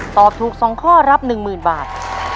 ตอบถูก๒ข้อรับ๑๐๐๐บาท